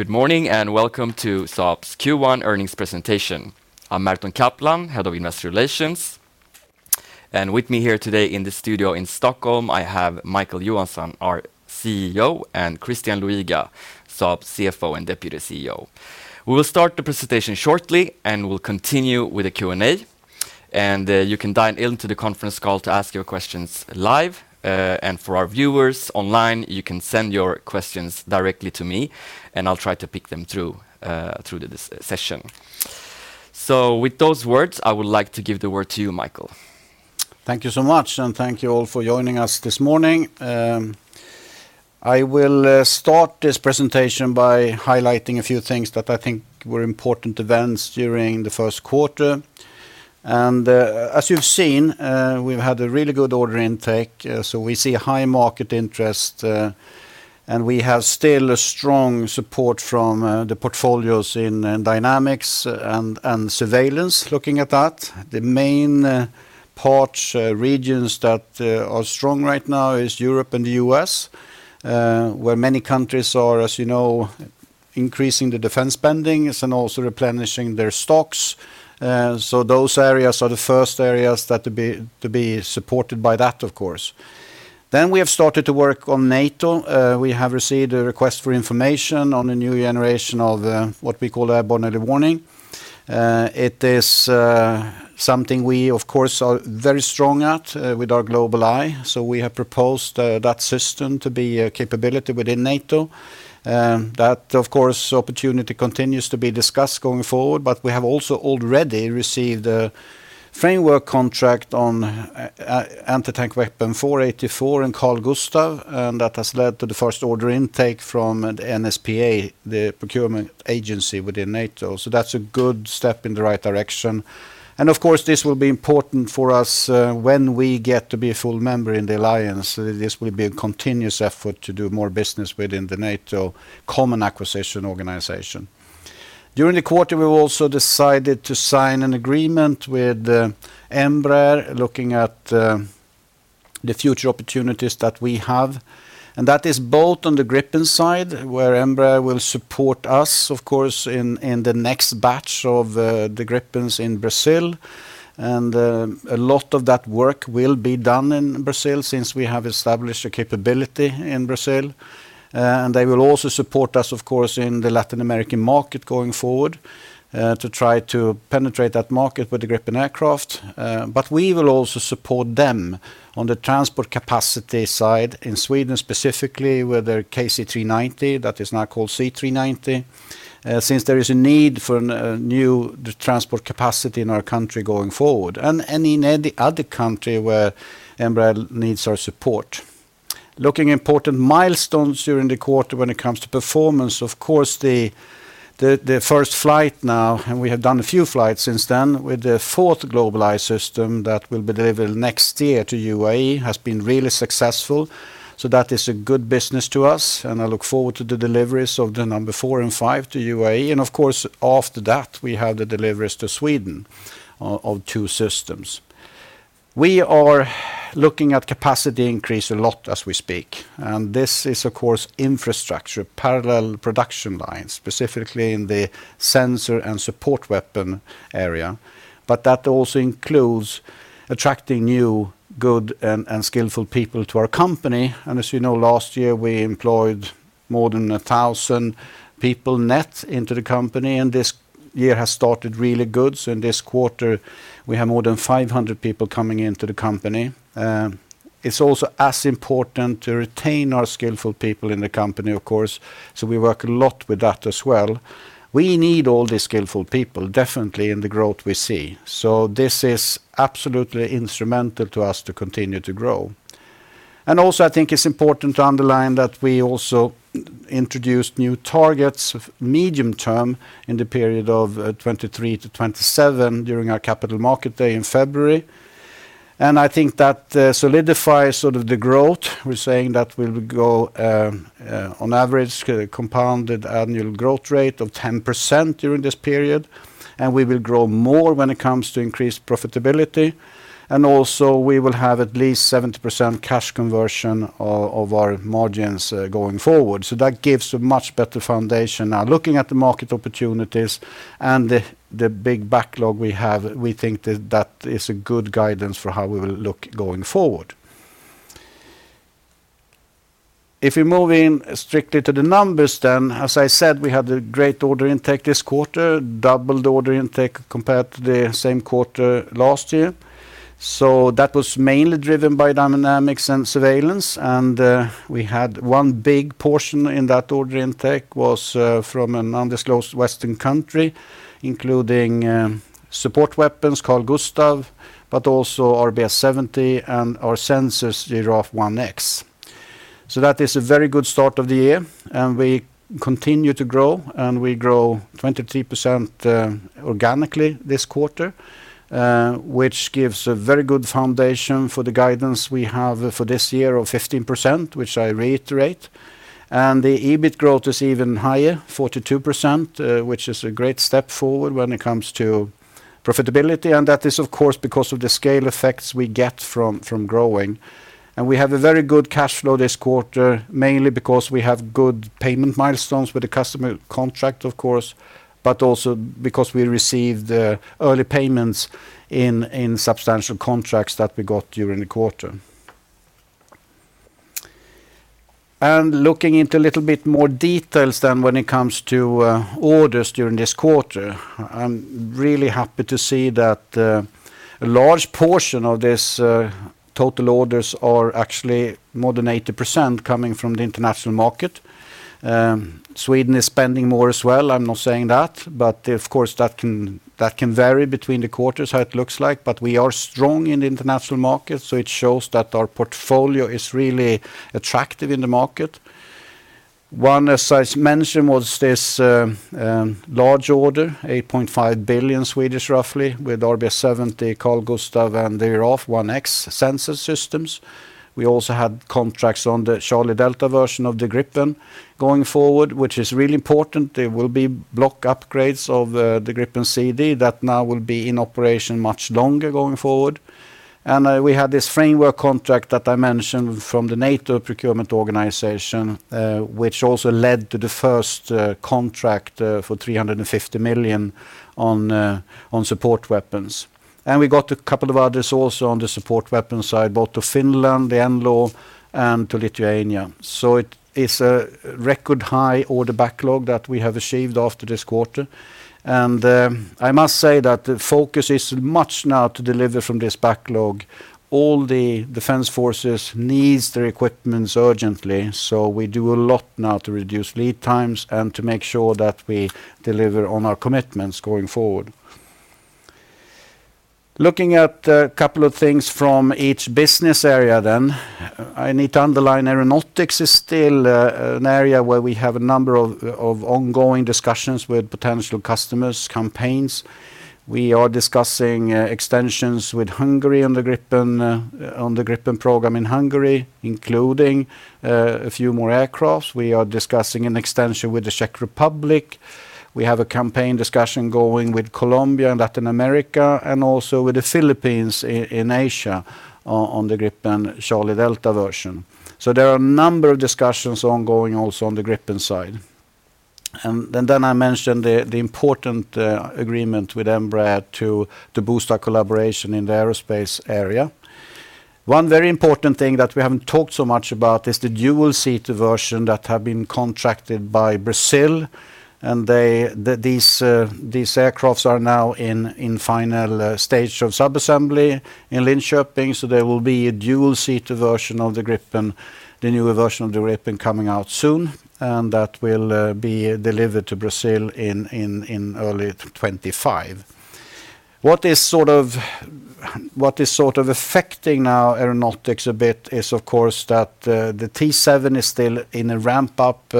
Good morning, and welcome to Saab's Q1 earnings presentation. I'm Merton Kaplan, Head of Investor Relations. With me here today in the studio in Stockholm, I have Micael Johansson, our CEO, and Christian Luiga, Saab CFO and Deputy CEO. We will start the presentation shortly, and we'll continue with a Q&A. You can dial in to the conference call to ask your questions live. For our viewers online, you can send your questions directly to me, and I'll try to pick them through the session. With those words, I would like to give the word to you, Micael. Thank you so much. Thank you all for joining us this morning. I will start this presentation by highlighting a few things that I think were important events during the Q1. As you've seen, we've had a really good order intake, so we see high market interest, and we have still a strong support from the portfolios in Dynamics and Surveillance looking at that. The main parts, regions that are strong right now is Europe and the U.S., where many countries are, as you know, increasing the defense spending's and also replenishing their stocks. So those areas are the first areas that to be supported by that, of course. We have started to work on NATO. We have received a request for information on a new generation of what we call airborne early warning. It is something we, of course, are very strong at with our GlobalEye, so we have proposed that system to be a capability within NATO. That, of course, opportunity continues to be discussed going forward, but we have also already received a framework contract on anti-tank weapon 484 and Carl-Gustaf, and that has led to the first order intake from NSPA, the procurement agency within NATO. That's a good step in the right direction. Of course, this will be important for us when we get to be a full member in the alliance. This will be a continuous effort to do more business within the NATO common acquisition organization. During the quarter, we also decided to sign an agreement with Embraer looking at the future opportunities that we have. That is both on the Gripen side, where Embraer will support us, of course, in the next batch of the Gripens in Brazil. A lot of that work will be done in Brazil since we have established a capability in Brazil. They will also support us, of course, in the Latin American market going forward to try to penetrate that market with the Gripen aircraft. We will also support them on the transport capacity side in Sweden, specifically with their KC-390, that is now called C-390, since there is a need for new transport capacity in our country going forward and in any other country where Embraer needs our support. Looking at important milestones during the quarter when it comes to performance, of course, the first flight now, and we have done a few flights since then, with the fourth GlobalEye system that will be delivered next year to UAE, has been really successful. That is a good business to us, and I look forward to the deliveries of the number four and five to UAE. Of course, after that, we have the deliveries to Sweden of two systems. We are looking at capacity increase a lot as we speak. This is of course infrastructure, parallel production lines, specifically in the sensor and support weapon area. That also includes attracting new, good, and skillful people to our company. As you know, last year, we employed more than 1,000 people net into the company, and this year has started really good. In this quarter, we have more than 500 people coming into the company. It's also as important to retain our skillful people in the company, of course, so we work a lot with that as well. We need all the skillful people, definitely, in the growth we see. This is absolutely instrumental to us to continue to grow. I think it's important to underline that we also introduce new targets of medium term in the period of 2023 to 2027 during our Capital Markets Day in February. I think that solidifies sort of the growth. We're saying that we'll go on average compounded annual growth rate of 10% during this period, and we will grow more when it comes to increased profitability. Also we will have at least 70% cash conversion of our margins going forward. That gives a much better foundation. Looking at the market opportunities and the big backlog we have, we think that that is a good guidance for how we will look going forward. If we move in strictly to the numbers, as I said, we had a great order intake this quarter, doubled order intake compared to the same quarter last year. That was mainly driven by Dynamics and Surveillance. We had one big portion in that order intake was from an undisclosed Western country, including support weapons, Carl-Gustaf, but also RBS 70 and our sensors, the Giraffe 1X. That is a very good start of the year, and we continue to grow, and we grow 23% organically this quarter, which gives a very good foundation for the guidance we have for this year of 15%, which I reiterate. The EBIT growth is even higher, 42%, which is a great step forward when it comes to profitability, and that is of course because of the scale effects we get from growing. We have a very good cash flow this quarter, mainly because we have good payment milestones with the customer contract of course, but also because we received, early payments in substantial contracts that we got during the quarter. Looking into a little bit more details than when it comes to, orders during this quarter. I'm really happy to see that a large portion of this total orders are actually more than 80% coming from the international market. Sweden is spending more as well, I'm not saying that, but of course that can vary between the quarters, how it looks like. We are strong in the international market, so it shows that our portfolio is really attractive in the market. One, as I mentioned, was this large order, 8.5 billion roughly with RBS 70, Carl-Gustaf and the Giraffe 1X sensor systems. We also had contracts on the Charlie Delta version of the Gripen going forward, which is really important. There will be block upgrades of the Gripen C/D that now will be in operation much longer going forward. We had this framework contract that I mentioned from the NATO procurement organization, which also led to the first contract for 350 million on support weapons. We got a couple of others also on the support weapon side, both to Finland, the NLAW, and to Lithuania. It is a record high order backlog that we have achieved after this quarter. I must say that the focus is much now to deliver from this backlog. All the defense forces needs their equipment's urgently, we do a lot now to reduce lead times and to make sure that we deliver on our commitments going forward. Looking at a couple of things from each business area, I need to underline Aeronautics is still an area where we have a number of ongoing discussions with potential customers, campaigns. We are discussing extensions with Hungary on the Gripen, on the Gripen program in Hungary, including a few more aircraft. We are discussing an extension with the Czech Republic. We have a campaign discussion going with Colombia and Latin America, with the Philippines in Asia on the Gripen Charlie Delta version. There are a number of discussions ongoing also on the Gripen side. I mentioned the important agreement with Embraer to boost our collaboration in the aerospace area. One very important thing that we haven't talked so much about is the dual-seater version that have been contracted by Brazil. These aircrafts are now in final stage of sub-assembly in Linköping, so there will be a dual-seater version of the Gripen, the newer version of the Gripen coming out soon, and that will be delivered to Brazil in early 2025. What is sort of affecting our aeronautics a bit is of course that the T-7 is still in a ramp up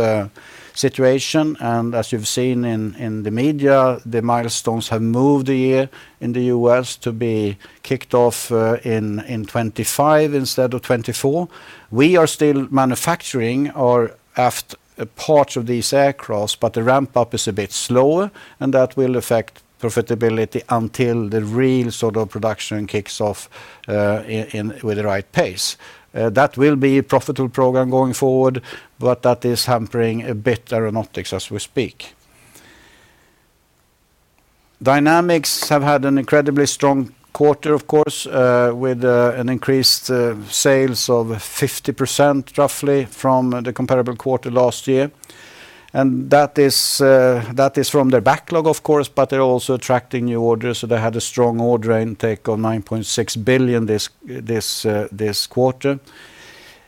situation, and as you've seen in the media, the milestones have moved a year in the U.S. to be kicked off in 2025 instead of 2024. We are still manufacturing or aft parts of these aircraft, but the ramp up is a bit slower and that will affect profitability until the real sort of production kicks off with the right pace. That will be a profitable program going forward, but that is hampering a bit Aeronautics as we speak. Dynamics have had an incredibly strong quarter, of course, with an increased sales of 50% roughly from the comparable quarter last year. That is, that is from their backlog of course, but they're also attracting new orders, so they had a strong order intake of 9.6 billion this quarter.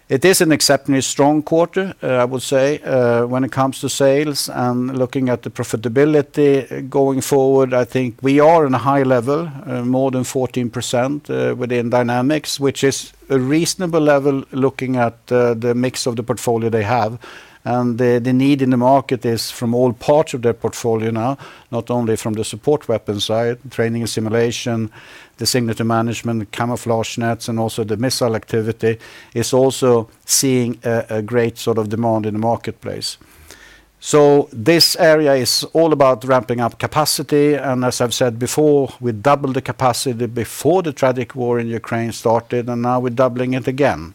It is an exceptionally strong quarter, I would say, when it comes to sales and looking at the profitability going forward, I think we are in a high level, more than 14%, within Dynamics, which is a reasonable level looking at the mix of the portfolio they have. The need in the market is from all parts of their portfolio now, not only from the support weapon side, training and simulation, the signature management, the camouflage nets, and also the missile activity, is also seeing a great sort of demand in the marketplace. This area is all about ramping up capacity, and as I've said before, we doubled the capacity before the tragic war in Ukraine started, and now we're doubling it again.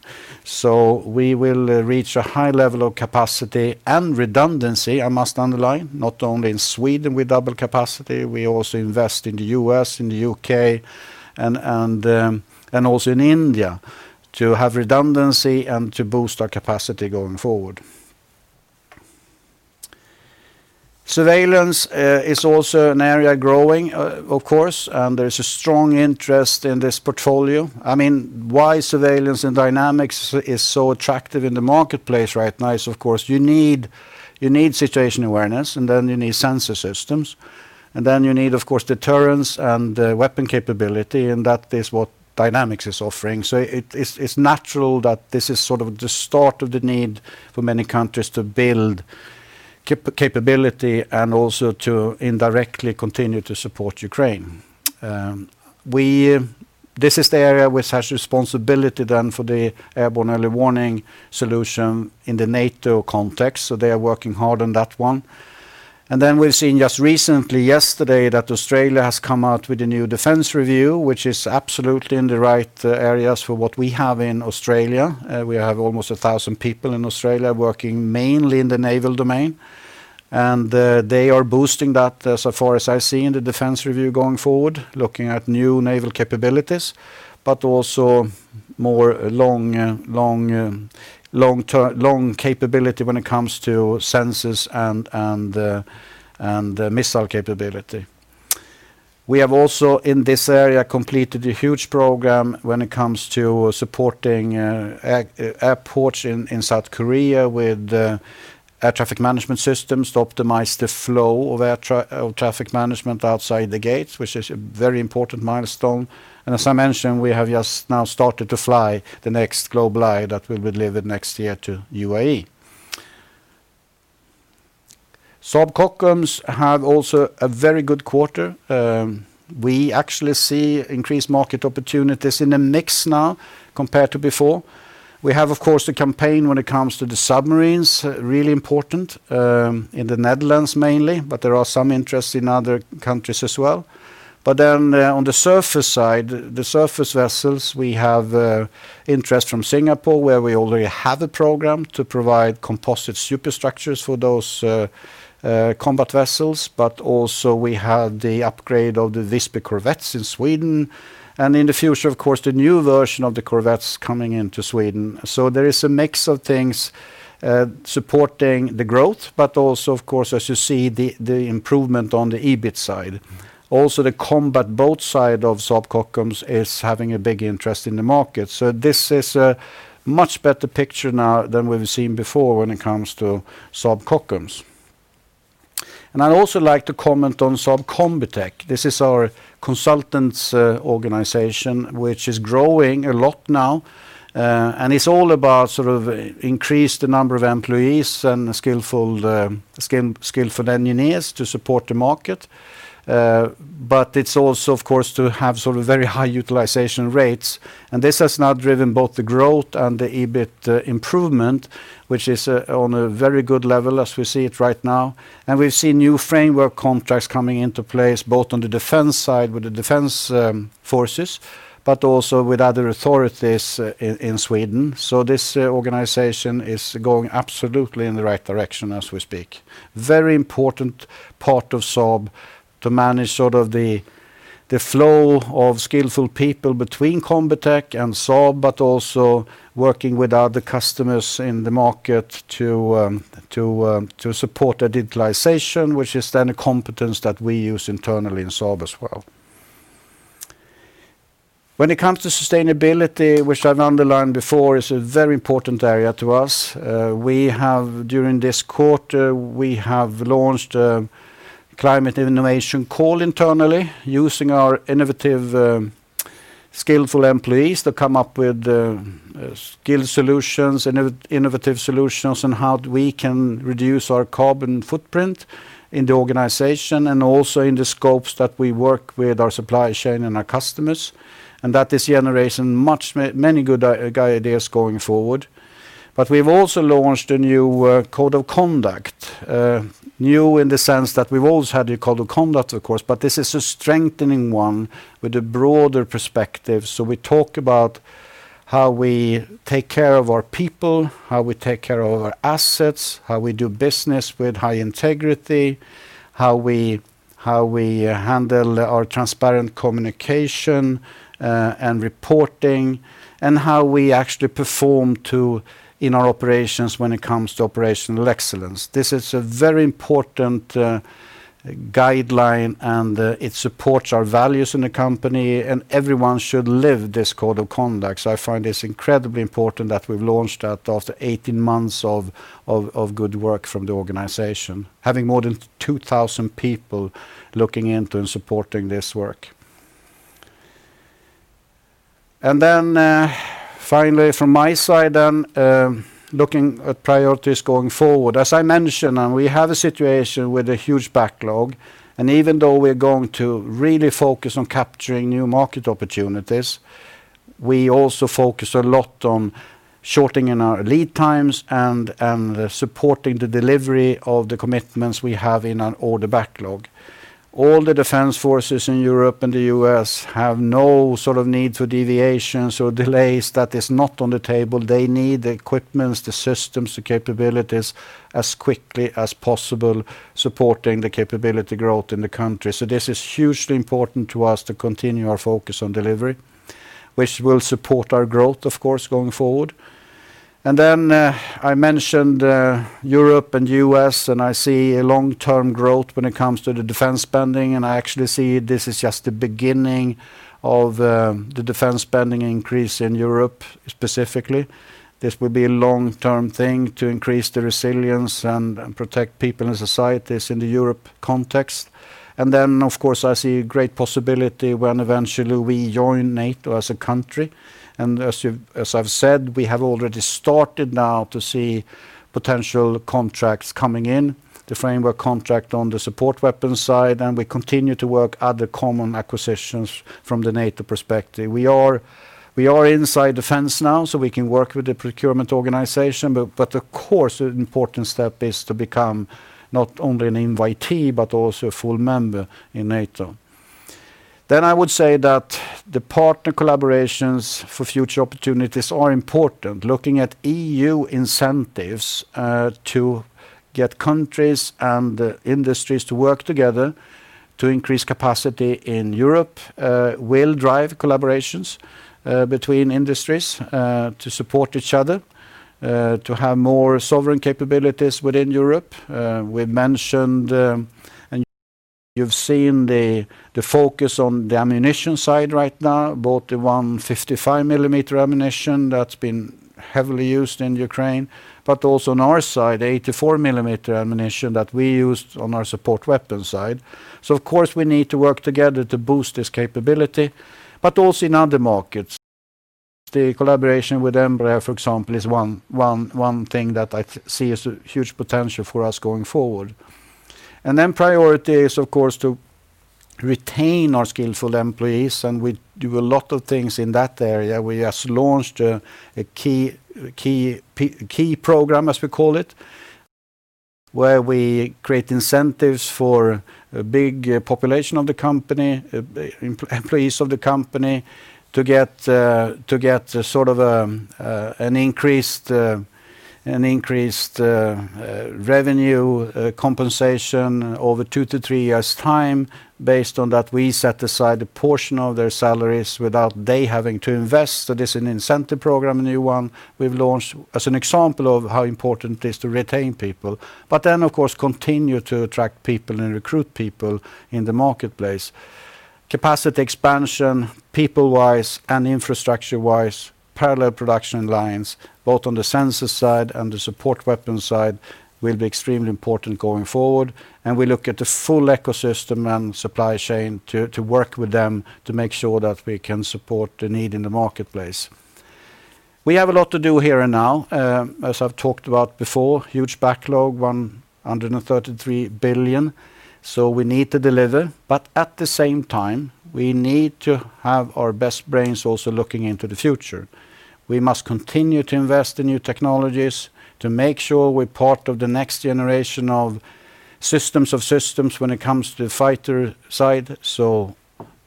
We will reach a high level of capacity and redundancy, I must underline, not only in Sweden with double capacity, we also invest in the U.S., in the U.K., and also in India, to have redundancy and to boost our capacity going forward. Surveillance is also an area growing, of course, and there's a strong interest in this portfolio. I mean, why Surveillance and Dynamics is so attractive in the marketplace right now is of course you need situation awareness, and then you need sensor systems, and then you need of course deterrence and weapon capability, and that is what Dynamics is offering. It's natural that this is sort of the start of the need for many countries to build capability and also to indirectly continue to support Ukraine. This is the area which has responsibility then for the airborne early warning solution in the NATO context, so they are working hard on that one. We've seen just recently yesterday that Australia has come out with a new defense review, which is absolutely in the right areas for what we have in Australia. We have almost 1,000 people in Australia working mainly in the naval domain. They are boosting that so far as I see in the defense review going forward, looking at new naval capabilities, but also more long capability when it comes to sensors and missile capability. We have also in this area completed a huge program when it comes to supporting airports in South Korea with Air Traffic Management Systems to optimize the flow of traffic management outside the gates, which is a very important milestone. As I mentioned, we have just now started to fly the next GlobalEye that we will deliver next year to UAE. Saab Kockums have also a very good quarter. We actually see increased market opportunities in the mix now compared to before. We have, of course, the campaign when it comes to the submarines, really important in the Netherlands mainly, but there are some interest in other countries as well. On the surface side, the surface vessels, we have interest from Singapore, where we already have a program to provide composite superstructures for those combat vessels, but also we have the upgrade of the Visby corvettes in Sweden. In the future, of course, the new version of the corvettes coming into Sweden. There is a mix of things supporting the growth, but also of course, as you see the improvement on the EBIT side. Also, the combat boat side of Saab Kockums is having a big interest in the market. This is a much better picture now than we've seen before when it comes to Saab Kockums. I'd also like to comment on Saab Combitech. This is our consultants, organization, which is growing a lot now. It's all about sort of increase the number of employees and skillful engineers to support the market. It's also, of course, to have sort of very high utilization rates. This has now driven both the growth and the EBIT improvement, which is on a very good level as we see it right now. We've seen new framework contracts coming into place, both on the defense side with the defense forces, but also with other authorities in Sweden. This, organization is going absolutely in the right direction as we speak. Very important part of Saab to manage sort of the flow of skillful people between Combitech and Saab, but also working with other customers in the market to support the digitalization, which is then a competence that we use internally in Saab as well. When it comes to sustainability, which I've underlined before, is a very important area to us. We have during this quarter, we have launched a climate innovation call internally using our innovative skillful employees to come up with skill solutions, innovative solutions on how we can reduce our carbon footprint in the organization and also in the scopes that we work with our supply chain and our customers, and that is generating many good ideas going forward. We've also launched a new code of conduct, new in the sense that we've always had a code of conduct, of course, but this is a strengthening one with a broader perspective. We talk about how we take care of our people, how we take care of our assets, how we do business with high integrity, how we handle our transparent communication and reporting, and how we actually perform to in our operations when it comes to operational excellence. This is a very important guideline, and it supports our values in the company, and everyone should live this code of conduct. I find this incredibly important that we've launched that after 18 months of good work from the organization, having more than 2,000 people looking into and supporting this work. Finally from my side then, looking at priorities going forward, as I mentioned, we have a situation with a huge backlog, even though we're going to really focus on capturing new market opportunities, we also focus a lot on shortening our lead times and supporting the delivery of the commitments we have in an order backlog. All the defense forces in Europe and the U.S. have no sort of need for deviations or delays. That is not on the table. They need the equipment's, the systems, the capabilities as quickly as possible, supporting the capability growth in the country. This is hugely important to us to continue our focus on delivery, which will support our growth of course, going forward. I mentioned Europe and U.S., I see a long-term growth when it comes to the defense spending. I actually see this is just the beginning of the defense spending increase in Europe specifically. This will be a long-term thing to increase the resilience and protect people and societies in the Europe context. And then of course, I see great possibility when eventually we join NATO as a country. As I've said, we have already started now to see potential contracts coming in, the framework contract on the support weapons side. We continue to work other common acquisitions from the NATO perspective. We are inside the fence now, so we can work with the procurement organization. Of course, an important step is to become not only an invitee, but also a full member in NATO. I would say that the partner collaborations for future opportunities are important. Looking at EU incentives to get countries and industries to work together to increase capacity in Europe, will drive collaborations between industries to support each other to have more sovereign capabilities within Europe. We mentioned, and you've seen the focus on the ammunition side right now, both the 155 millimeter ammunition that's been heavily used in Ukraine, but also on our side, 84 millimeter ammunition that we used on our support weapon side. Of course, we need to work together to boost this capability, but also in other markets. The collaboration with Embraer, for example, is one thing that I see as a huge potential for us going forward. Priority is, of course, to retain our skillful employees, and we do a lot of things in that area. We just launched a key program, as we call it, where we create incentives for a big population of the company, employees of the company to get sort of an increased revenue compensation over two to three years' time. Based on that, we set aside a portion of their salaries without they having to invest. This is an incentive program, a new one we've launched as an example of how important it is to retain people, but then of course, continue to attract people and recruit people in the marketplace. Capacity expansion, people-wise and infrastructure-wise, parallel production lines, both on the sensors side and the support weapon side, will be extremely important going forward. We look at the full ecosystem and supply chain to work with them to make sure that we can support the need in the marketplace. We have a lot to do here and now, as I've talked about before. Huge backlog, 133 billion. We need to deliver. At the same time, we need to have our best brains also looking into the future. We must continue to invest in new technologies to make sure we're part of the next generation of systems of systems when it comes to fighter side. So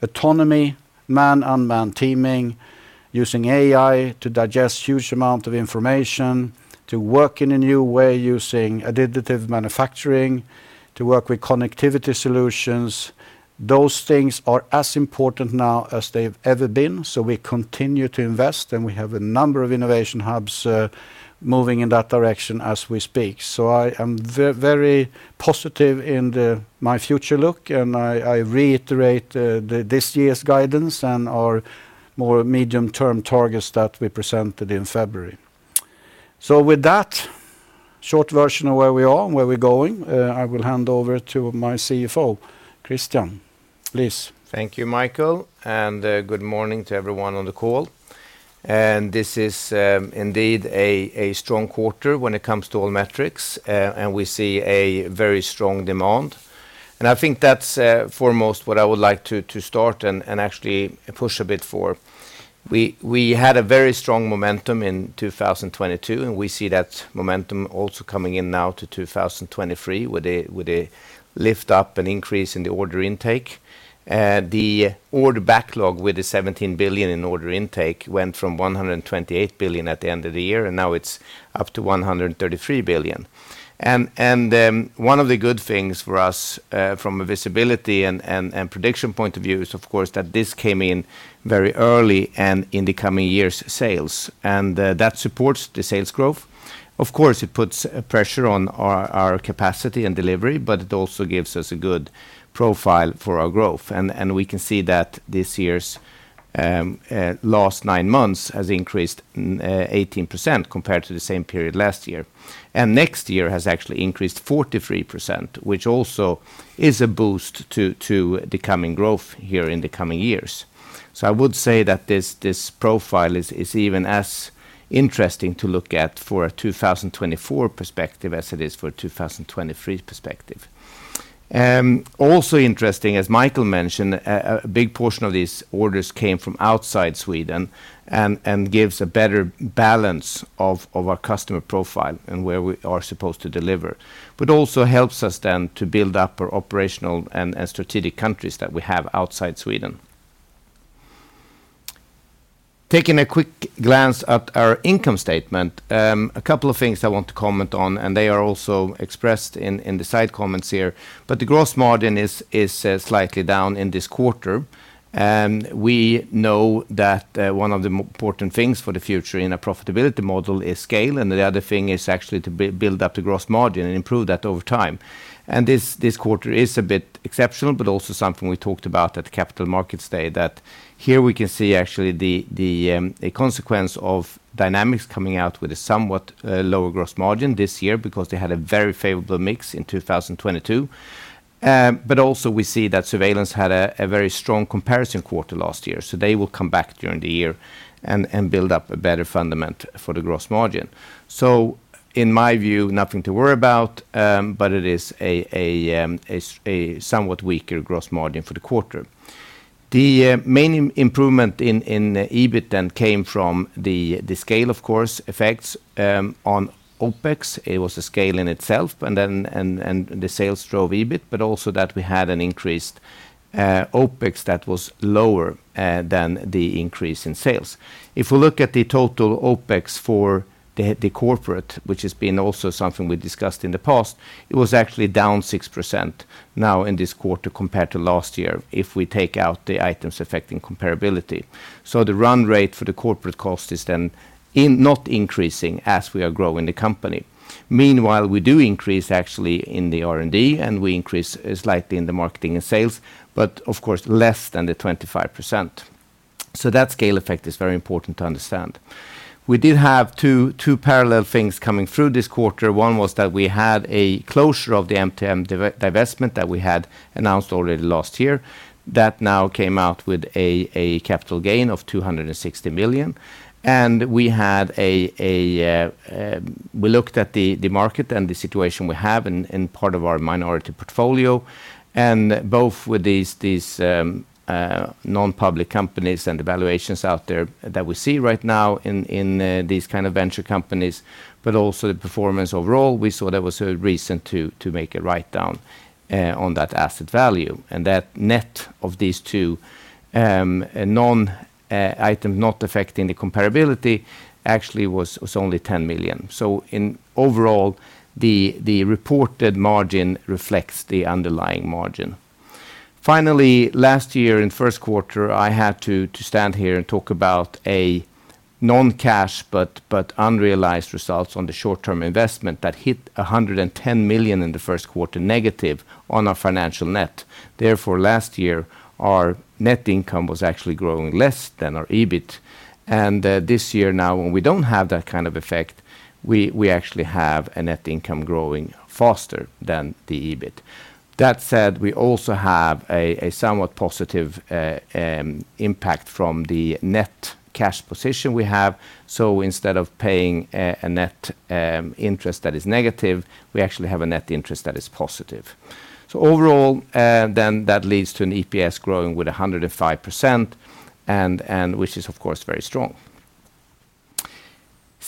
autonomy, man-unmanned teaming, using AI to digest huge amount of information, to work in a new way using additive manufacturing, to work with connectivity solutions. Those things are as important now as they've ever been, we continue to invest, and we have a number of innovation hubs, moving in that direction as we speak. I am very positive in my future look, and I reiterate, the, this year's guidance and our more medium-term targets that we presented in February. With that short version of where we are and where we're going, I will hand over to my CFO, Christian. Please. Thank you, Micael, good morning to everyone on the call. This is indeed a strong quarter when it comes to all metrics, and we see a very strong demand. I think that's foremost what I would like to start and actually push a bit for. We had a very strong momentum in 2022, and we see that momentum also coming in now to 2023 with a lift up and increase in the order intake. The order backlog with the 17 billion in order intake went from 128 billion at the end of the year, and now it's up to 133 billion. One of the good things for us from a visibility and prediction point of view is, of course, that this came in very early and in the coming years' sales. That supports the sales growth. Of course, it puts pressure on our capacity and delivery, but it also gives us a good profile for our growth. We can see that this year's last nine months has increased 18% compared to the same period last year. Next year has actually increased 43%, which also is a boost to the coming growth here in the coming years. I would say that this profile is even as interesting to look at for a 2024 perspective as it is for a 2023 perspective. Also interesting, as Micael mentioned, a big portion of these orders came from outside Sweden and gives a better balance of our customer profile and where we are supposed to deliver, but also helps us then to build up our operational and strategic countries that we have outside Sweden. Taking a quick glance at our income statement, a couple of things I want to comment on, and they are also expressed in the side comments here. The gross margin is slightly down in this quarter. We know that one of the important things for the future in a profitability model is scale, and the other thing is actually to build up the gross margin and improve that over time. This quarter is a bit exceptional, but also something we talked about at the Capital Markets Day, that here we can see actually the consequence of Dynamics coming out with a somewhat lower gross margin this year because they had a very favorable mix in 2022. Also we see that Surveillance had a very strong comparison quarter last year, so they will come back during the year and build up a better fundament for the gross margin. In my view, nothing to worry about, but it is a somewhat weaker gross margin for the quarter. The main improvement in the EBIT then came from the scale, of course, effects on OpEx. It was a scale in itself, and then, and the sales drove EBIT, but also that we had an increased OpEx that was lower than the increase in sales. If we look at the total OpEx for the corporate, which has been also something we discussed in the past, it was actually down 6% now in this quarter compared to last year if we take out the items affecting comparability. The run rate for the corporate cost is then not increasing as we are growing the company. Meanwhile, we do increase actually in the R&D, and we increase slightly in the marketing and sales but of course less than the 25%. That scale effect is very important to understand. We did have two parallel things coming through this quarter. One was that we had a closure of the MTM divestment that we had announced already last year. That now came out with a capital gain of 260 million. We had a we looked at the market and the situation we have in part of our minority portfolio, and both with these non-public companies and the valuations out there that we see right now in these kind of venture companies but also the performance overall, we saw there was a reason to make a write-down on that asset value. That net of these two non items not affecting the comparability actually was only 10 million. In overall, the reported margin reflects the underlying margin. Finally, last year in Q1, I had to stand here and talk about a non-cash but unrealized results on the short-term investment that hit 110 million in the Q1 negative on our financial net. Therefore, last year, our net income was actually growing less than our EBIT. This year now when we don't have that kind of effect, we actually have a net income growing faster than the EBIT. That said, we also have a somewhat positive impact from the net cash position we have. Instead of paying a net interest that is negative, we actually have a net interest that is positive. Overall, that leads to an EPS growing with 105% and which is of course very strong.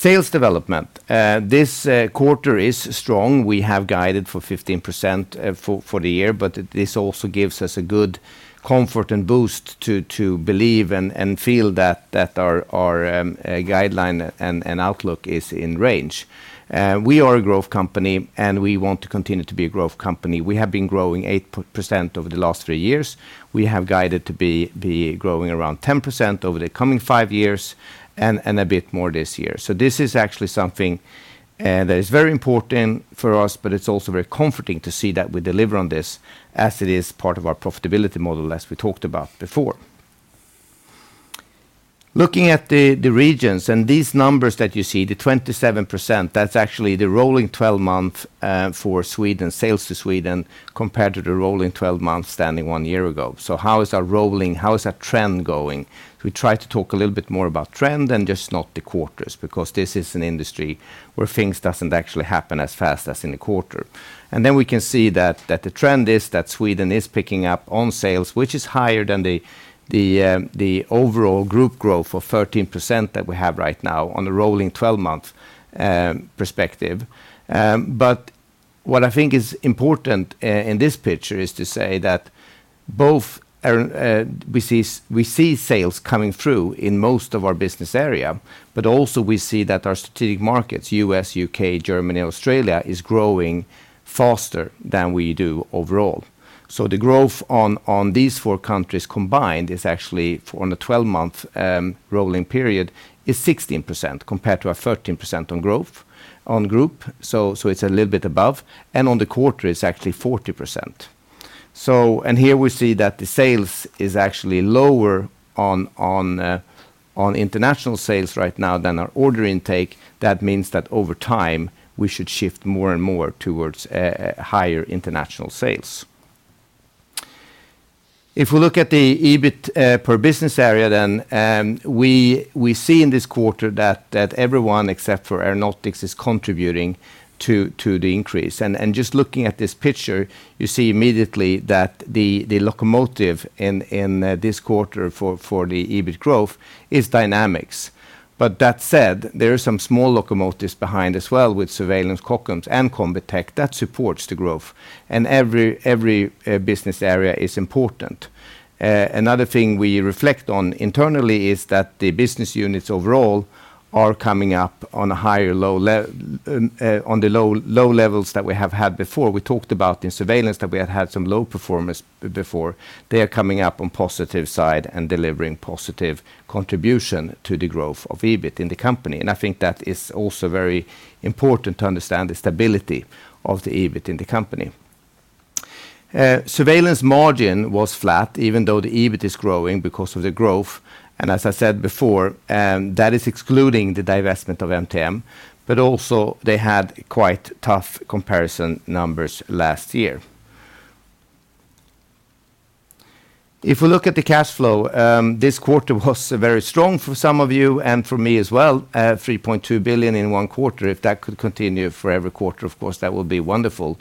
Sales development. This quarter is strong. We have guided for 15% for the year. This also gives us a good comfort and boost to believe and feel that our guideline and outlook is in range. We are a growth company. We want to continue to be a growth company. We have been growing 8% over the last three years. We have guided to be growing around 10% over the coming five years and a bit more this year. This is actually something that is very important for us, but it's also very comforting to see that we deliver on this as it is part of our profitability model as we talked about before. Looking at the regions, and these numbers that you see, the 27%, that's actually the rolling 12-month for Sweden, sales to Sweden compared to the rolling 12-month standing one year ago. How is our trend going? We try to talk a little bit more about trend and just not the quarters because this is an industry where things doesn't actually happen as fast as in a quarter. We can see that the trend is that Sweden is picking up on sales, which is higher than the overall group growth of 13% that we have right now on the rolling 12-month perspective. What I think is important in this picture is to say that both, we see sales coming through in most of our business area, but also we see that our strategic markets, U.S., U.K., Germany, Australia, is growing faster than we do overall. The growth on these four countries combined is actually, for on the 12-month rolling period, is 16% compared to our 13% on growth on group. It's a little bit above. On the quarter, it's actually 40%. Here we see that the sales is actually lower on international sales right now than our order intake. That means that over time, we should shift more and more towards higher international sales. If we look at the EBIT per business area then, we see in this quarter that everyone except for Aeronautics is contributing to the increase. Just looking at this picture, you see immediately that the locomotive in this quarter for the EBIT growth is Dynamics. That said, there are some small locomotives behind as well with Surveillance, Kockums, and Combitech that supports the growth. Every business area is important. Another thing we reflect on internally is that the business units overall are coming up on a higher low levels that we have had before. We talked about in Surveillance that we have had some low performance before. They are coming up on positive side and delivering positive contribution to the growth of EBIT in the company. I think that is also very important to understand the stability of the EBIT in the company. Surveillance margin was flat even though the EBIT is growing because of the growth. As I said before, that is excluding the divestment of MTM, but also they had quite tough comparison numbers last year. We look at the cash flow, this quarter was very strong for some of you and for me as well, 3.2 billion in one quarter. If that could continue for every quarter, of course, that would be wonderful.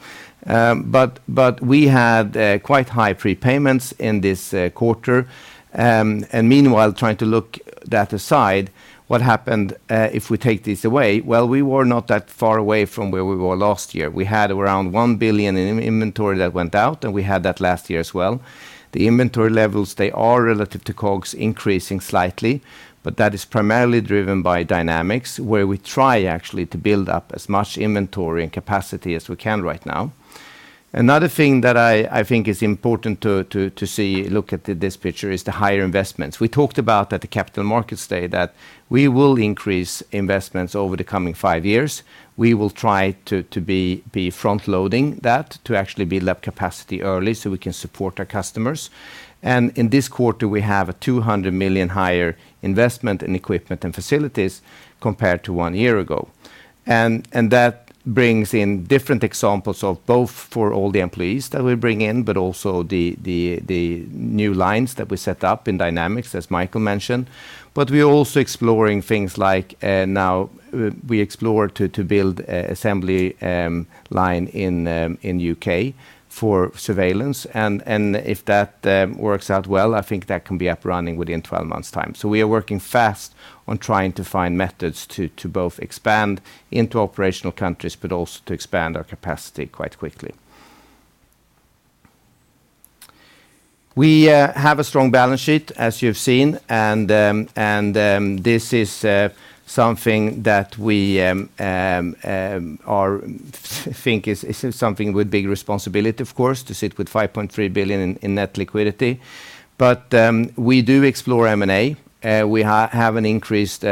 We had quite high prepayments in this quarter. Meanwhile, trying to look that aside, what happened if we take this away? We were not that far away from where we were last year. We had around 1 billion in-inventory that went out. We had that last year as well. The inventory levels, they are relative to COGS increasing slightly. That is primarily driven by Dynamics, where we try actually to build up as much inventory and capacity as we can right now. Another thing that I think is important to see, look at this picture is the higher investments. We talked about at the Capital Markets Day that we will increase investments over the coming five years. We will try to be front loading that to actually build up capacity early so we can support our customers. In this quarter, we have a 200 million higher investment in equipment and facilities compared to one year ago. That brings in different examples of both for all the employees that we bring in, but also the new lines that we set up in Dynamics, as Micael mentioned. We're also exploring things like, now we explore to build a assembly line in U.K. for Surveillance, and if that works out well, I think that can be up running within 12 months time. We are working fast on trying to find methods to both expand into operational countries, but also to expand our capacity quite quickly. We have a strong balance sheet, as you've seen. This is something that we think is something with big responsibility, of course, to sit with 5.3 billion in net liquidity. We do explore M&A. We have an increased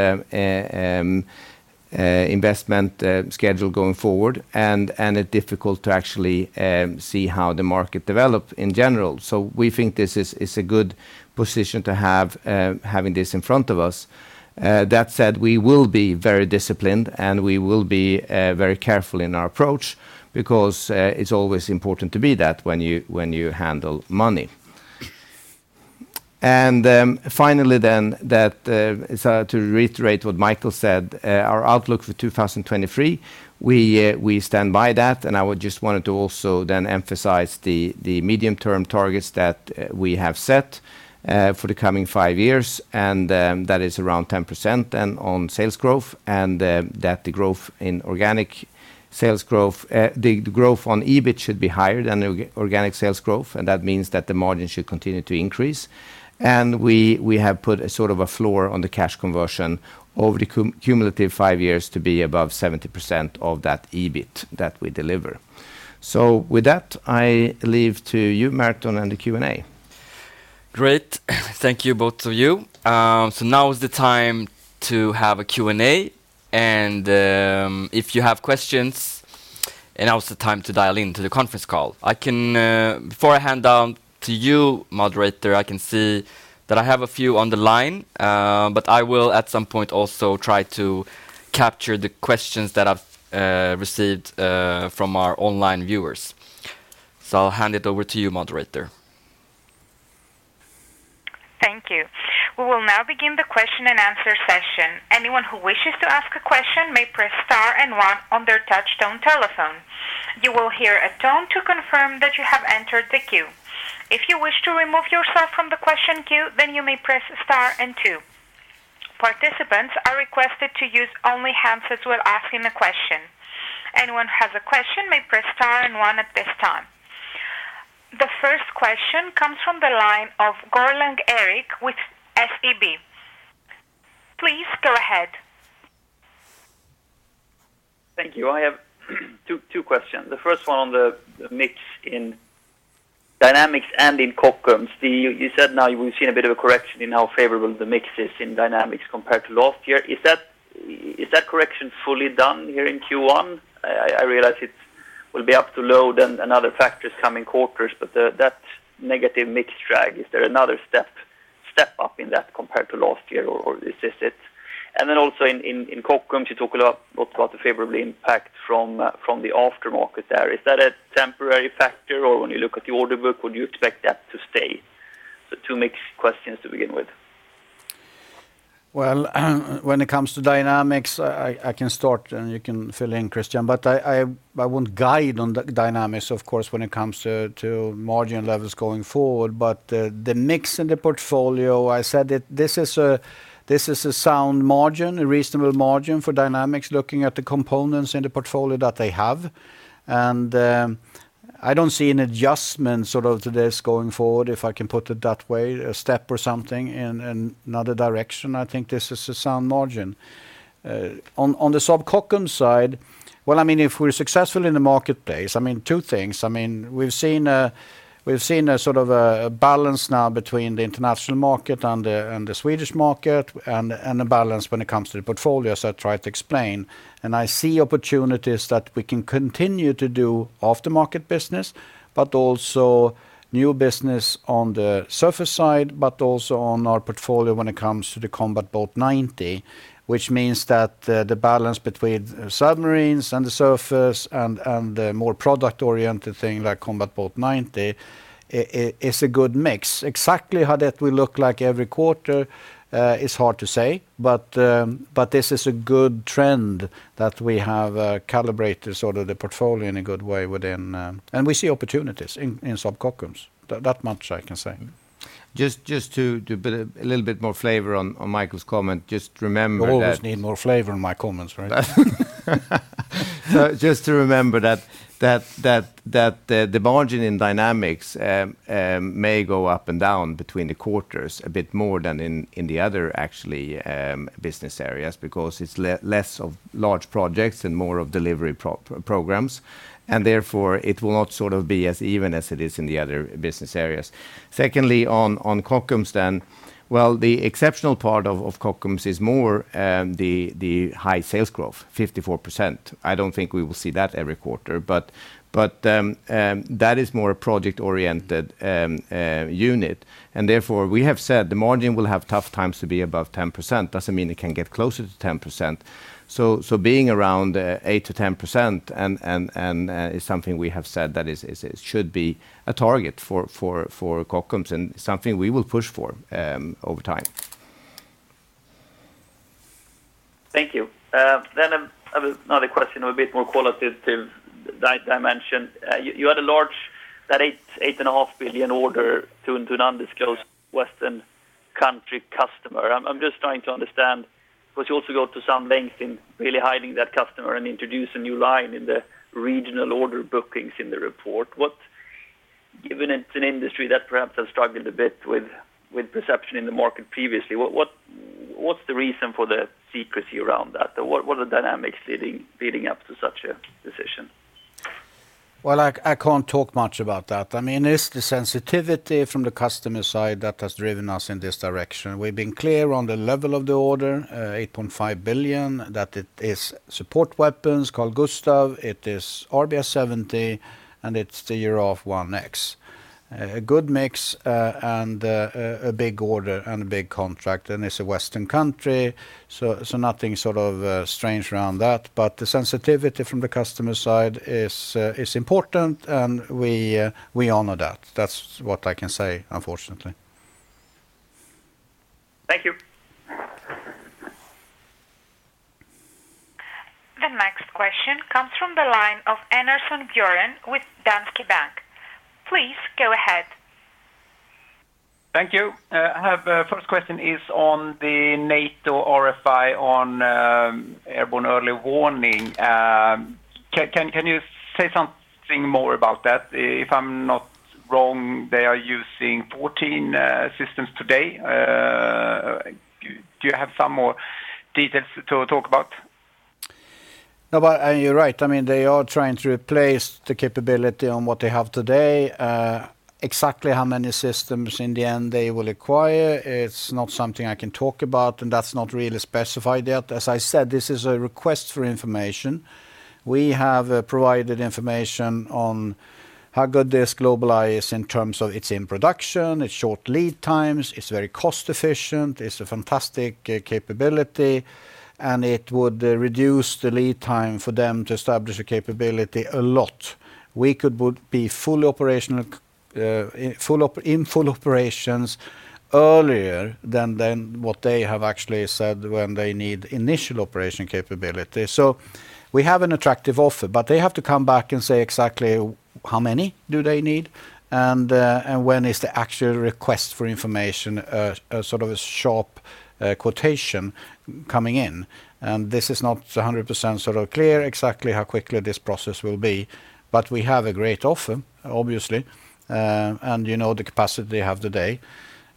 investment schedule going forward, and it's difficult to actually see how the market develop in general. We think this is a good position to have having this in front of us. That said, we will be very disciplined, and we will be very careful in our approach because it's always important to be that when you handle money. Finally then that, so to reiterate what Micael said, our outlook for 2023, we stand by that, and I would just wanted to also then emphasize the medium-term targets that we have set for the coming five years, and that is around 10% then on sales growth and that the growth in organic sales growth, the growth on EBIT should be higher than organic sales growth, and that means that the margin should continue to increase. We have put a sort of a floor on the cash conversion over the cumulative five years to be above 70% of that EBIT that we deliver. With that, I leave to you, Merton, and the Q&A. Great. Thank you, both of you. Now is the time to have a Q&A. If you have questions, now is the time to dial in to the conference call. Before I hand down to you, moderator, I can see that I have a few on the line, but I will at some point also try to capture the questions that I've received from our online viewers. I'll hand it over to you, moderator. Thank you. We will now begin the question-and-answer session. Anyone who wishes to ask a question may press star and one on their touchtone telephone. You will hear a tone to confirm that you have entered the queue. If you wish to remove yourself from the question queue, then you may press star and two. Participants are requested to use only handsets while asking a question. Anyone who has a question may press star and one at this time. The first question comes from the line of Erik Golrang with SEB. Please go ahead. Thank you. I have two questions. The first one on the mix in Dynamics and in Kockums. You said now you were seeing a bit of a correction in how favorable the mix is in Dynamics compared to last year. Is that correction fully done here in Q1? I realize it will be up to load and other factors coming quarters, but that negative mix drag, is there another step up in that compared to last year, or is this it? Also in Kockums, you talk a lot about the favorable impact from the aftermarket there. Is that a temporary factor? When you look at the order book, would you expect that to stay? The two mix questions to begin with. When it comes to Dynamics, I can start, and you can fill in Christian. I won't guide on the Dynamics, of course, when it comes to margin levels going forward. The mix in the portfolio, I said it, this is a sound margin, a reasonable margin for Dynamics, looking at the components in the portfolio that they have. I don't see an adjustment sort of to this going forward, if I can put it that way, a step or something in another direction. I think this is a sound margin. On the Saab Kockums side, well, I mean, if we're successful in the marketplace, I mean, two things. I mean, we've seen a sort of a balance now between the international market and the Swedish market and a balance when it comes to the portfolio, as I tried to explain. I see opportunities that we can continue to do after-market business, but also new business on the surface side, but also on our portfolio when it comes to the Combat Boat 90, which means that the balance between submarines and the surface and the more product-oriented thing like Combat Boat 90 is a good mix. Exactly how that will look like every quarter is hard to say. This is a good trend that we have calibrated sort of the portfolio in a good way within. We see opportunities in Saab Kockums. That much I can say. Just to build a little bit more flavor on Micael's comment, just remember that. You always need more flavor in my comments, right? Just to remember that the margin in Dynamics may go up and down between the quarters a bit more than in the other actually business areas because it's less of large projects and more of delivery programs, and therefore it will not sort of be as even as it is in the other business areas. Secondly, on Saab Kockums then, well, the exceptional part of Saab Kockums is more the high sales growth, 54%. I don't think we will see that every quarter. But that is more a project-oriented unit, and therefore we have said the margin will have tough times to be above 10%. Doesn't mean it can get closer to 10%. Being around, 8%-10% and is something we have said that should be a target for Kockums and something we will push for over time. Thank you. I have another question, a bit more qualitative dimension. You had a large, that eight and a half billion order to an undisclosed Western country customer. I'm just trying to understand, because you also go to some length in really hiding that customer and introduce a new line in the regional order bookings in the report. Given it's an industry that perhaps has struggled a bit with perception in the market previously, what's the reason for the secrecy around that? What are the dynamics leading up to such a decision? Well, I can't talk much about that. I mean, it's the sensitivity from the customer side that has driven us in this direction. We've been clear on the level of the order, 8.5 billion, that it is support weapons Carl-Gustaf, it is RBS 70, and it's the Giraffe 1X. A good mix, and a big order and a big contract, and it's a Western country, so nothing sort of strange around that. The sensitivity from the customer side is important, and we honor that. That's what I can say, unfortunately. Thank you. The next question comes from the line of Björn Enarson with Danske Bank. Please go ahead. Thank you. I have first question is on the NATO RFI on airborne early warning. Can you say something more about that? If I'm not wrong, they are using 14 systems today. Do you have some more details to talk about? You're right. I mean, they are trying to replace the capability on what they have today. Exactly how many systems in the end they will acquire, it's not something I can talk about, and that's not really specified yet. As I said, this is a request for information. We have provided information on how good this GlobalEye is in terms of it's in production, it's short lead times, it's very cost efficient, it's a fantastic capability, and it would reduce the lead time for them to establish a capability a lot. We would be fully operational in full operations earlier than what they have actually said when they need initial operation capability. We have an attractive offer, but they have to come back and say exactly how many do they need and when is the actual request for information, a sort of a sharp quotation coming in. This is not 100% sort of clear exactly how quickly this process will be, but we have a great offer, obviously, and you know the capacity they have today.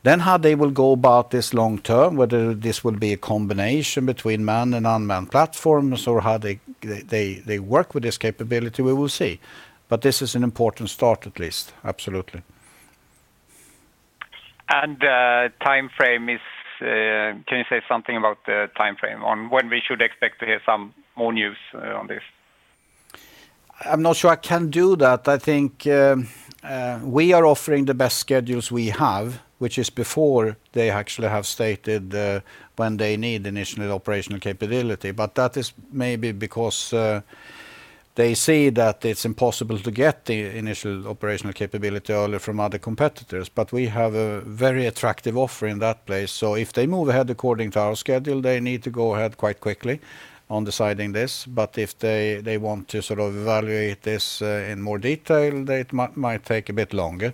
How they will go about this long term, whether this will be a combination between manned and unmanned platforms or how they work with this capability, we will see. This is an important start at least, absolutely. And timeframe is, can you say something about the timeframe on when we should expect to hear some more news on this? I'm not sure I can do that. I think, we are offering the best schedules we have, which is before they actually have stated, when they need initial operational capability. That is maybe because, they see that it's impossible to get the initial operational capability earlier from other competitors. We have a very attractive offer in that place. If they move ahead according to our schedule, they need to go ahead quite quickly on deciding this. If they want to sort of evaluate this, in more detail, it might take a bit longer.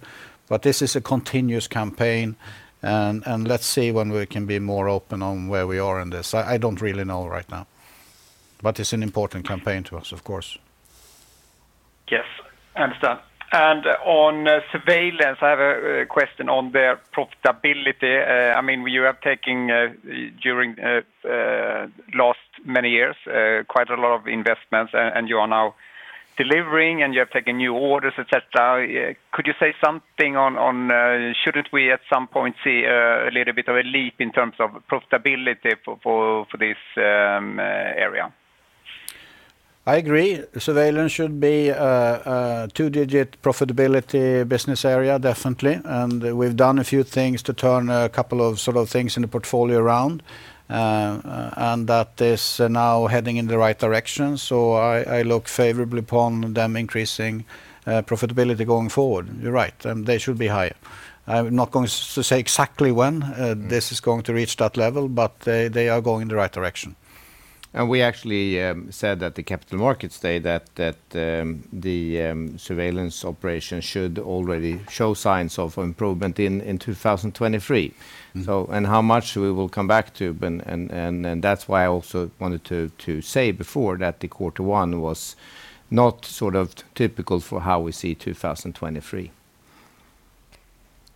This is a continuous campaign and let's see when we can be more open on where we are in this. I don't really know right now. But it's an important campaign to us, of course. Yes, understand. On Surveillance, I have a question on the profitability. I mean, you are taking, during last many years, quite a lot of investments and you are now delivering, and you have taken new orders, et cetera. Could you say something on, shouldn't we at some point see a little bit of a leap in terms of profitability for this area? I agree. Surveillance should be a two digit profitability business area, definitely. We've done a few things to turn a couple of sort of things in the portfolio around, and that is now heading in the right direction. I look favorably upon them increasing profitability going forward. You're right, they should be higher. I'm not going to say exactly when this is going to reach that level, but they are going in the right direction. We actually said that the Capital Markets Day that the Surveillance operation should already show signs of improvement in 2023. How much we will come back to. That's why I also wanted to say before that the quarter one was not sort of typical for how we see 2023.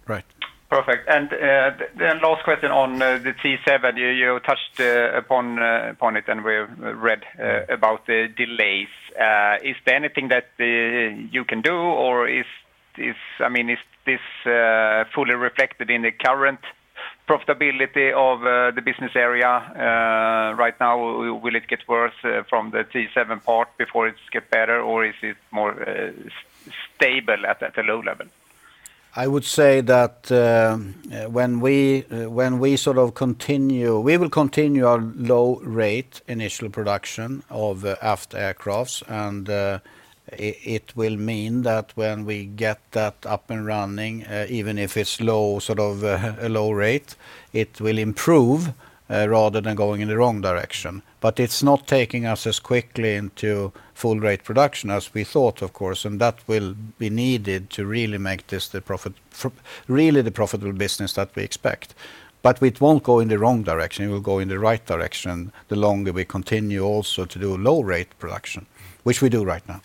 Right. Perfect. Then last question on the T-7A. You touched upon upon it, and we've read about the delays. Is there anything that you can do or, I mean, is this fully reflected in the current profitability of the business area right now? Will it get worse from the T-7A part before it's get better or is it more stable at the low level? I would say that, when we sort of continue, we will continue our low rate initial production of aft aircraft, and it will mean that when we get that up and running, even if it's low, sort of, a low rate, it will improve, rather than going in the wrong direction. It's not taking us as quickly into full rate production as we thought, of course, and that will be needed to really make this for really the profitable business that we expect. It won't go in the wrong direction, it will go in the right direction the longer we continue also to do low rate production, which we do right now.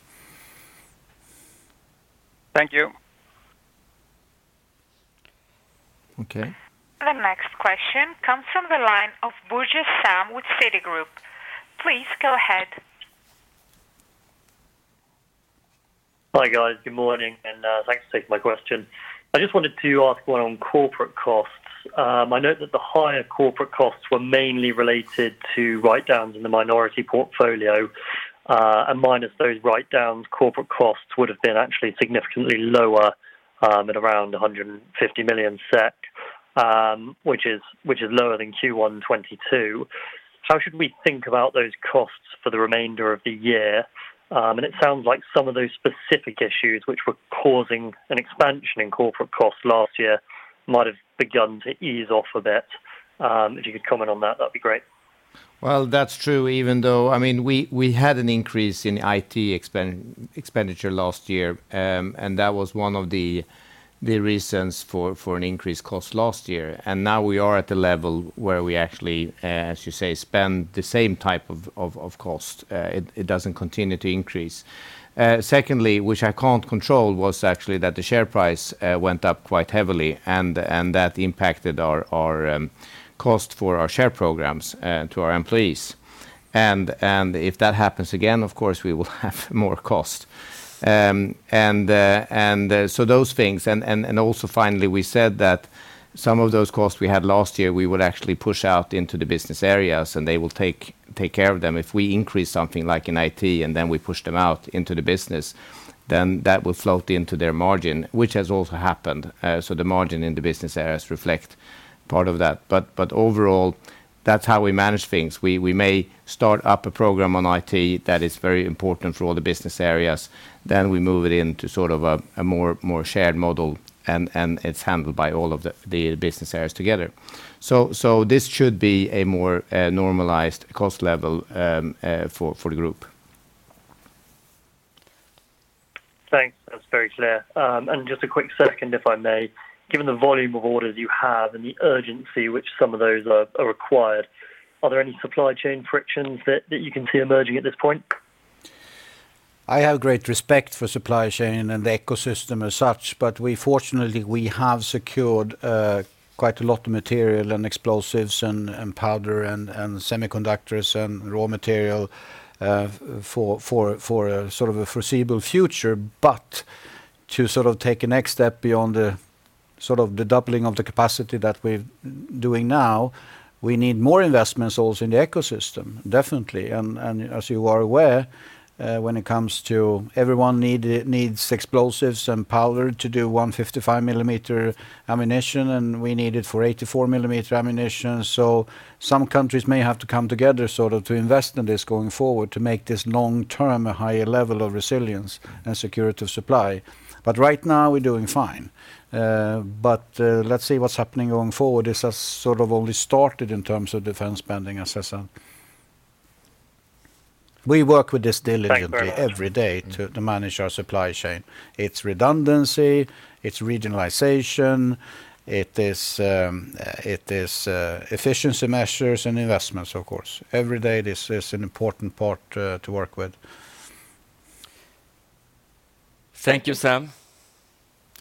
Thank you. Okay. The next question comes from the line of Sam Burgess with Citigroup. Please go ahead. Hi, guys. Good morning, and thanks for taking my question. I just wanted to ask one on corporate costs. I note that the higher corporate costs were mainly related to write-downs in the minority portfolio, and minus those write-downs, corporate costs would have been actually significantly lower, at around 150 million SEK, which is lower than Q1 2022. How should we think about those costs for the remainder of the year? It sounds like some of those specific issues which were causing an expansion in corporate costs last year might have begun to ease off a bit. If you could comment on that'd be great. Well, that's true. Even though, I mean, we had an increase in IT expenditure last year, and that was one of the reasons for an increased cost last year. Now we are at the level where we actually, as you say, spend the same type of cost. It doesn't continue to increase. Secondly, which I can't control, was actually that the share price went up quite heavily and that impacted our cost for our share programs to our employees. If that happens again, of course, we will have more cost. So those things. Also finally we said that some of those costs we had last year, we would actually push out into the business areas and they will take care of them. If we increase something like in IT and then we push them out into the business, then that will float into their margin, which has also happened. The margin in the business areas reflect part of that. Overall, that's how we manage things. We may start up a program on IT that is very important for all the business areas, then we move it into sort of a more shared model and it's handled by all of the business areas together. This should be a more normalized cost level for the group. Thanks. That's very clear. Just a quick second, if I may. Given the volume of orders you have and the urgency which some of those are required, are there any supply chain frictions that you can see emerging at this point? I have great respect for supply chain and the ecosystem as such, but we fortunately have secured quite a lot of material and explosives and powder and semiconductors and raw material for a sort of a foreseeable future. To sort of take a next step beyond the sort of the doubling of the capacity that we're doing now, we need more investments also in the ecosystem, definitely. As you are aware, when it comes to everyone needs explosives and powder to do 155 millimeter ammunition, and we need it for 84 millimeter ammunition. Some countries may have to come together sort of to invest in this going forward to make this long-term a higher level of resilience and security of supply. Right now, we're doing fine. But let's see what's happening going forward. This has sort of only started in terms of defense spending as such. We work with this diligently every day to manage our supply chain. It's redundancy, it's regionalization, it is, it is efficiency measures and investments, of course. Every day this is an important part to work with. Thank you, Sam.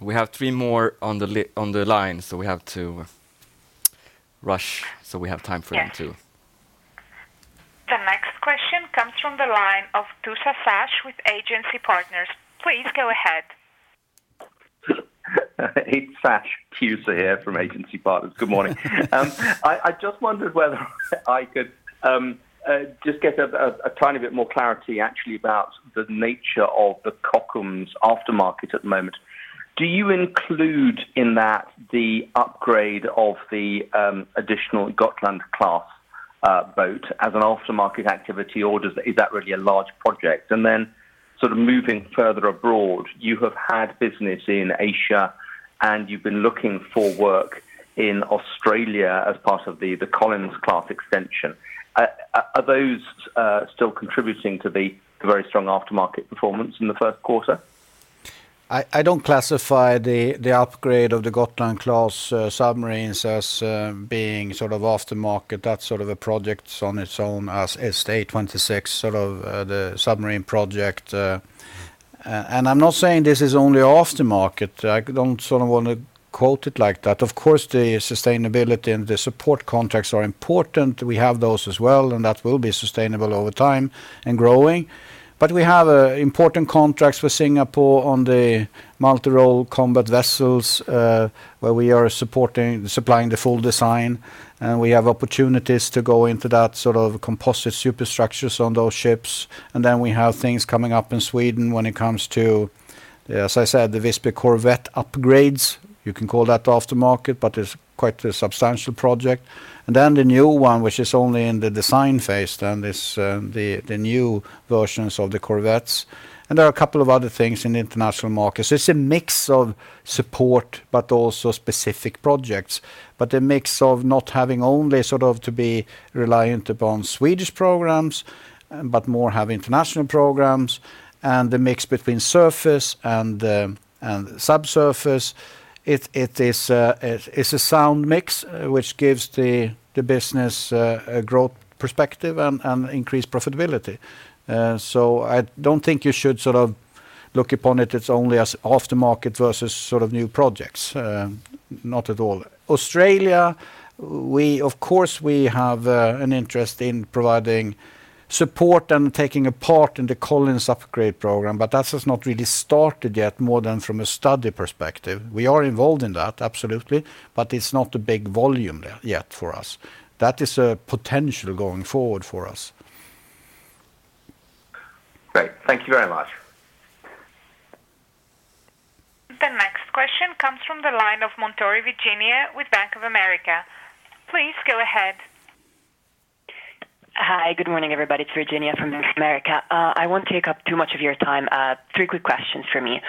We have three more on the line, so we have to rush so we have time for them too. Yes. The next question comes from the line of Sash Tusa with Agency Partners. Please go ahead. It's Sash Tusa here from Agency Partners. Good morning. I just wondered whether I could just get a tiny bit more clarity actually about the nature of the Kockums aftermarket at the moment. Do you include in that the upgrade of the additional Gotland-class boat as an aftermarket activity, or is that really a large project? Then sort of moving further abroad, you have had business in Asia, and you've been looking for work in Australia as part of the Collins-class extension. Are those still contributing to the very strong aftermarket performance in the Q1? I don't classify the upgrade of the Gotland-class submarines as being sort of aftermarket. That's sort of a project on its own as A26, sort of the submarine project. I'm not saying this is only aftermarket. I don't sort of want to quote it like that. Of course, the sustainability and the support contracts are important. We have those as well, and that will be sustainable over time, and growing. We have important contracts with Singapore on the multi-role combat vessels, where we are supporting, supplying the full design. We have opportunities to go into that sort of composite super structures on those ships. Then we have things coming up in Sweden when it comes to, as I said, the Visby corvette upgrades. You can call that aftermarket, but it's quite a substantial project. The new one, which is only in the design phase then, is the new versions of the corvettes. There are a couple of other things in the international markets. It's a mix of support, but also specific projects. A mix of not having only sort of to be reliant upon Swedish programs, but more have international programs and the mix between surface and subsurface. It is a sound mix, which gives the business a growth perspective and increased profitability. I don't think you should sort of look upon it as only as aftermarket versus sort of new projects. Not at all. Australia, we of course have an interest in providing support and taking a part in the Collins upgrade program, but that has not really started yet more than from a study perspective. We are involved in that, absolutely, but it's not a big volume there yet for us. That is a potential going forward for us. Great. Thank you very much. The next question comes from the line of Virginia Montorsi with Bank of America. Please go ahead. Hi. Good morning, everybody. It's Virginia from Bank of America. I won't take up too much of your time. Three quick questions from me.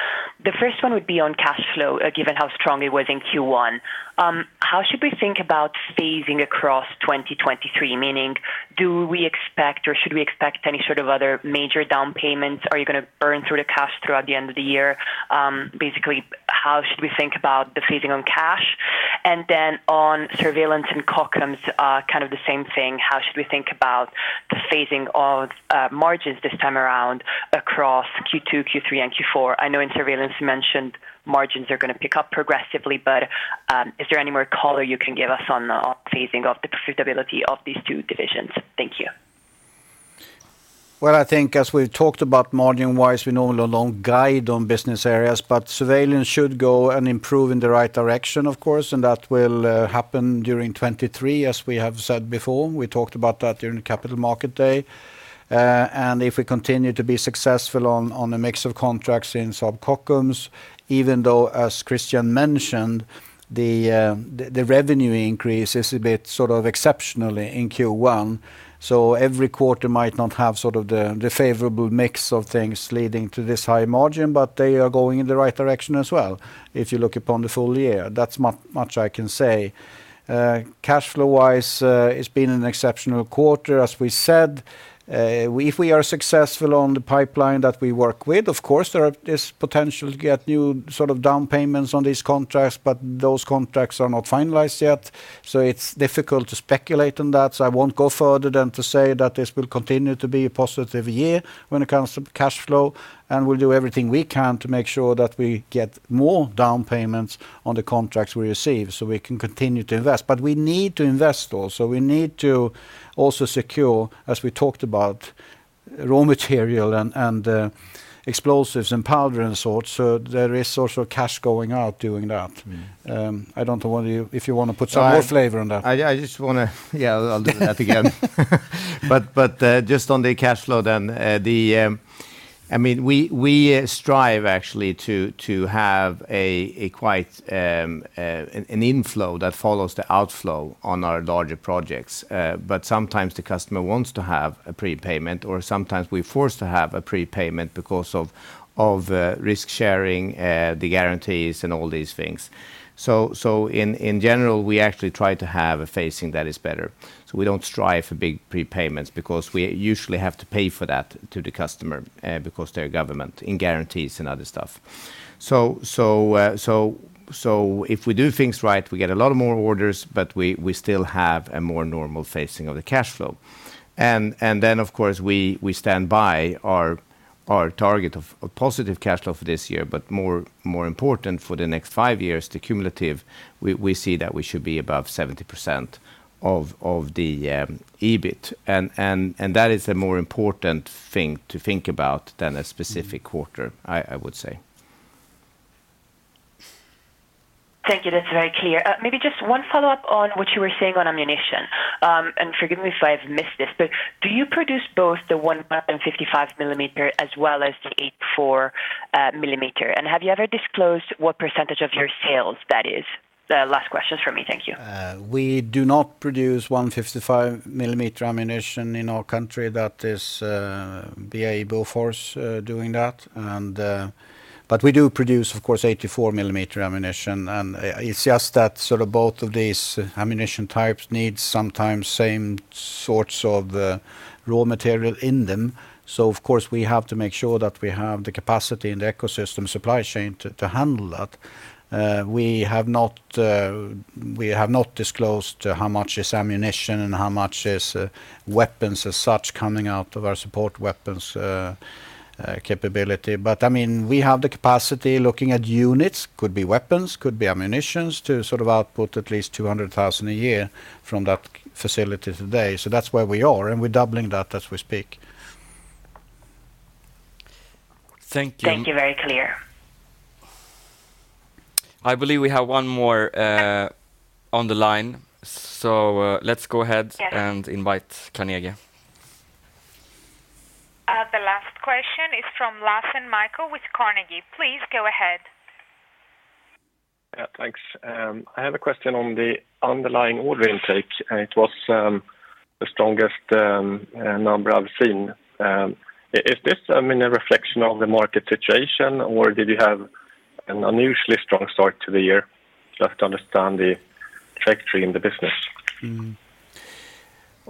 The first one would be on cash flow, given how strong it was in Q1. How should we think about phasing across 2023? Meaning, do we expect or should we expect any sort of other major down payments? Are you gonna burn through the cash throughout the end of the year? Basically, how should we think about the phasing on cash? On Surveillance in Kockums, kind of the same thing. How should we think about the phasing of margins this time around across Q2, Q3, and Q4? I know in Surveillance you mentioned margins are gonna pick up progressively. Is there any more color you can give us on the phasing of the profitability of these two divisions? Thank you. Well, I think as we've talked about margin-wise, we normally don't guide on business areas. Surveillance should go and improve in the right direction, of course, and that will happen during 2023, as we have said before. We talked about that during Capital Market Day. If we continue to be successful on a mix of contracts in Saab Kockums, even though, as Christian mentioned, the revenue increase is a bit sort of exceptionally in Q1. Every quarter might not have sort of the favorable mix of things leading to this high margin, but they are going in the right direction as well, if you look upon the full year. That's much I can say. Cash flow-wise, it's been an exceptional quarter, as we said. If we are successful on the pipeline that we work with, of course there is potential to get new sort of down payments on these contracts. Those contracts are not finalized yet, it's difficult to speculate on that. I won't go further than to say that this will continue to be a positive year when it comes to cash flow. We'll do everything we can to make sure that we get more down payments on the contracts we receive, we can continue to invest. We need to invest also. We need to also secure, as we talked about, raw material and explosives and powder and sorts. There is also cash going out doing that. I don't know whether if you wanna put some more flavor on that. I just wanna. Yeah, I'll do that again. Just on the cash flow then, the. I mean, we strive actually to have a quite an inflow that follows the outflow on our larger projects. But sometimes the customer wants to have a prepayment, or sometimes we're forced to have a prepayment because of risk-sharing, the guarantees and all these things. In general, we actually try to have a phasing that is better. We don't strive for big prepayments because we usually have to pay for that to the customer, because they're government, in guarantees and other stuff. If we do things right, we get a lot more orders, but we still have a more normal phasing of the cash flow. Then, of course, we stand by our target of positive cash flow for this year. More important for the next five years, the cumulative, we see that we should be above 70% of the EBIT. That is a more important thing to think about than a specific quarter, I would say. Thank you. That's very clear. Maybe just one follow-up on what you were saying on ammunition. Forgive me if I've missed this, but do you produce both the 155 millimeter as well as the 84 millimeter? Have you ever disclosed what percentage of your sales that is? The last questions from me. Thank you. We do not produce 155 millimeter ammunition in our country. That is BAE Bofors doing that. We do produce, of course, 84 millimeter ammunition. It's just that sort of both of these ammunition types need sometimes same sorts of raw material in them. Of course, we have to make sure that we have the capacity and the ecosystem supply chain to handle that. We have not disclosed how much is ammunition and how much is weapons as such coming out of our support weapons capability. I mean, we have the capacity looking at units, could be weapons, could be ammunitions, to sort of output at least 200,000 a year from that facility today. That's where we are, and we're doubling that as we speak. Thank you. Thank you. Very clear. I believe we have one more on the line. Let's go ahead. Yes Invite Carnegie. The last question is from Mikael Laséen with Carnegie. Please go ahead. Thanks. I have a question on the underlying order intake. It was the strongest number I've seen. Is this, I mean, a reflection of the market situation, or did you have an unusually strong start to the year? Just to understand the trajectory in the business.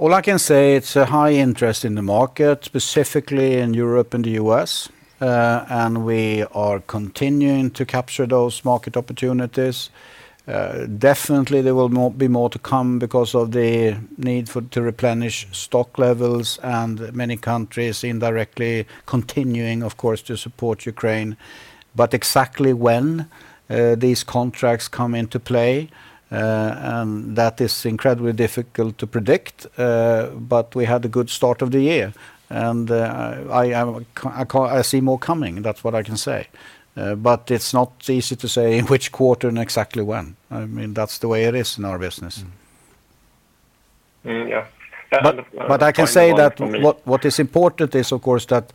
All I can say, it's a high interest in the market, specifically in Europe and the U.S. We are continuing to capture those market opportunities. Definitely there will be more to come because of the need for to replenish stock levels and many countries indirectly continuing, of course, to support Ukraine. Exactly when these contracts come into play, that is incredibly difficult to predict. We had a good start of the year, I see more coming. That's what I can say. It's not easy to say in which quarter and exactly when. I mean, that's the way it is in our business. Yeah. I can say that what is important is, of course, that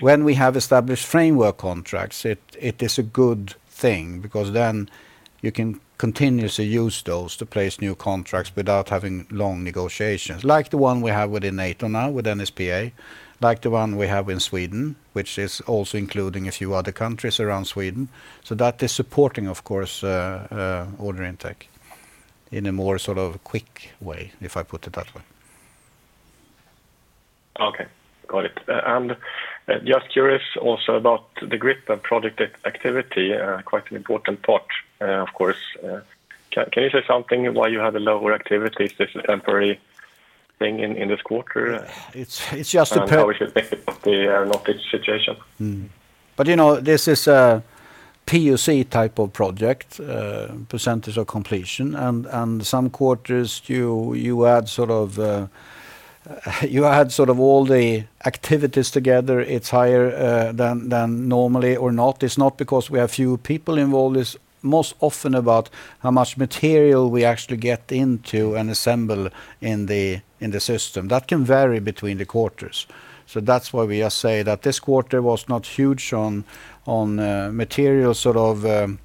when we have established framework contracts, it is a good thing because then you can continuously use those to place new contracts without having long negotiations. Like the one we have within NATO now with NSPA, like the one we have in Sweden, which is also including a few other countries around Sweden. That is supporting, of course, order intake in a more sort of quick way, if I put it that way. Okay. Got it. Just curious also about the Gripen project activity, quite an important part, of course. Can you say something why you have a lower activity? Is this a temporary thing in this quarter? How we should think about the market situation? You know, this is a POC type of project, percentage of completion. Some quarters you add sort of all the activities together, it's higher than normally or not. It's not because we have few people involved. It's most often about how much material we actually get into and assemble in the system. That can vary between the quarters. That's why we just say that this quarter was not huge on material, sort of,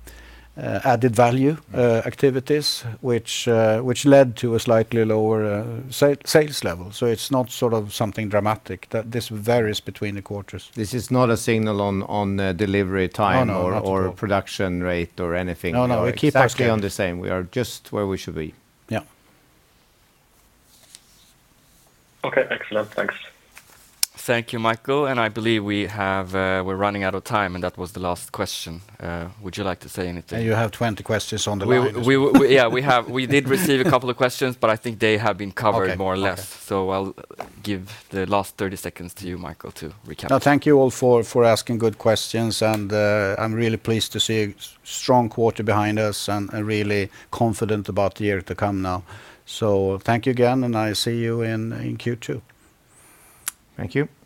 added value- Activities, which led to a slightly lower, sales level. It's not sort of something dramatic. This varies between the quarters. This is not a signal on delivery. No, no, not at all. Or production rate or anything like that. No, no, exactly. We keep us on the same. We are just where we should be. Yeah. Okay. Excellent. Thanks. Thank you, Mikael. I believe we have, we're running out of time, and that was the last question. Would you like to say anything? You have 20 questions on the line. Yeah, we have. We did receive a couple of questions. I think they have been covered more or less. Okay. Okay. I'll give the last 30 seconds to you, Mikael, to recap. No, thank you all for asking good questions. I'm really pleased to see strong quarter behind us and really confident about the year to come now. Thank you again, and I see you in Q2. Thank you.